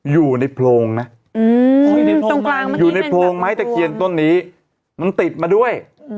อยู่ในโพรงนะอยู่ในโพรงไม้ตะเคียนต้นนี้มันติดมาด้วย